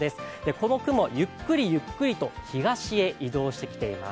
この雲、ゆっくりゆっくりと東へ移動してきています。